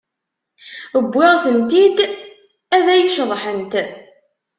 Wwiɣ-tent-id ad ay-iceḍḥent.